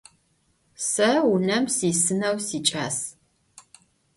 Se vunem sisıneu siç'as.